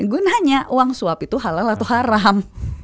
gue nanya uang suap itu halal atau haram